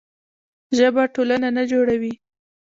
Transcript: ژبه ټولنه نه جوړوي.